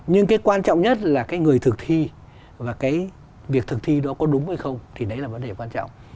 nhưng cái quan trọng nhất là cái người thực thi và cái việc thực thi đó có đúng hay không thì đấy là vấn đề quan trọng